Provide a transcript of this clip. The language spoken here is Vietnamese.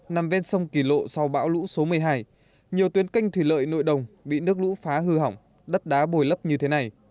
nằm ven sông kỳ lộ sau bão lũ số một mươi hai nhiều tuyến canh thủy lợi nội đồng bị nước lũ phá hư hỏng đất đá bồi lấp như thế này